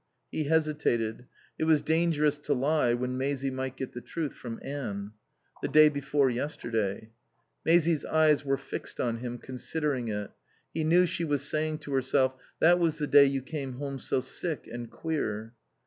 He hesitated. It was dangerous to lie when Maisie might get the truth from Anne. "The day before yesterday." Maisie's eyes were fixed on him, considering it. He knew she was saying to herself, "That was the day you came home so sick and queer."